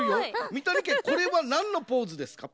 みたにけこれはなんのポーズですか？